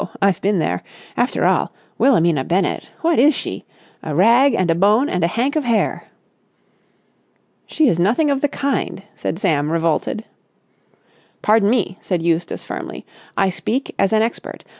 I've been there. After all ... Wilhelmina Bennett ... what is she? A rag and a bone and a hank of hair!" "She is nothing of the kind," said Sam, revolted. "Pardon me," said Eustace firmly, "I speak as an expert.